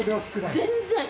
全然。